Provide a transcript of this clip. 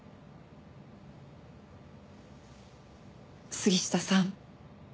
杉下さん